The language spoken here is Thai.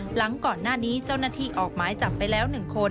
หลังก่อนหน้านี้เจ้าหน้าที่ออกหมายจับไปแล้ว๑คน